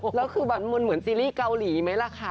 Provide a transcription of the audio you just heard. แล้วคือมันเหมือนซีรีส์เกาหลีไหมล่ะคะ